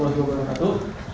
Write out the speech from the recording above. emang direkod itu